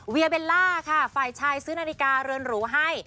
เบลล่าค่ะฝ่ายชายซื้อนาฬิกาเรือนหรูให้